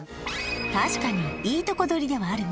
確かにいいとこ取りではあるが